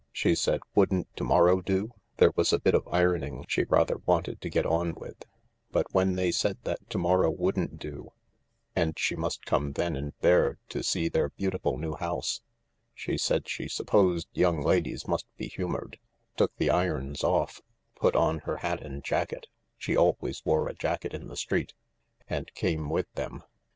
She said wouldn't to morrow do, there was a bit of ironing she rather wanted to get on with, but when they said that to morrow wouldn't do, and she must come then and there to see their beautiful new house, she said she supposed young ladies must be humoured, took the irons off, put on her hat and jacket — she always wore a jacket in the street * and came with them.